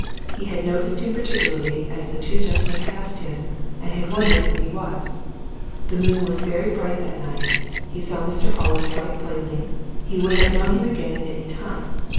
He had noticed him particularly as the two gentlemen passed him, and had wondered who he was. The moon was very bright that night: he saw Mr. Hollis quite plainly: he would have known him again at any time.